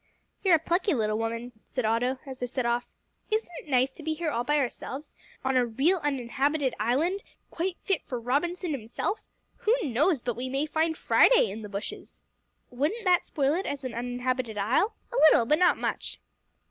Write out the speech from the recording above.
"You're a plucky little woman," said Otto, as they set off. "Isn't it nice to be here all by ourselves, on a real uninhabited island, quite fit for Robinson himself? Who knows but we may find Friday in the bushes!" "Wouldn't that spoil it as an uninhabited isle?" "A little, but not much."